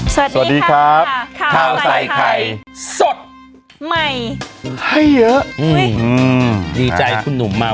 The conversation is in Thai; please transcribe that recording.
สวัสดีครับข้าวใส่ไข่สดใหม่ให้เยอะดีใจคุณหนุ่มมา